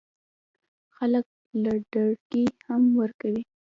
خلکو له دړکې هم ورکوي